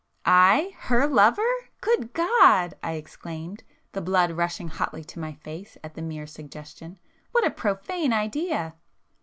"I! Her lover! Good God!" I exclaimed, the blood rushing hotly to my face at the mere suggestion—"What a profane idea!"